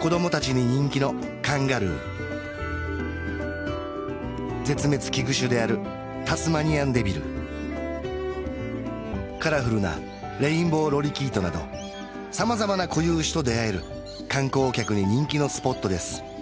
子供達に人気のカンガルー絶滅危惧種であるタスマニアンデビルカラフルなレインボーロリキートなど様々な固有種と出会える観光客に人気のスポットです